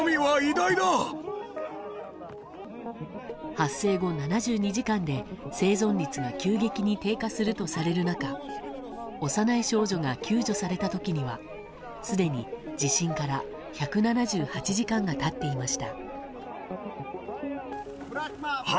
発生後７２時間で生存率が急激に低下するとされる中幼い少女が救助された時にはすでに地震から１７８時間が経っていました。